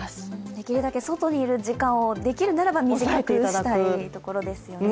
できるだけ外にいる時間をできるなら短くしたいところですよね。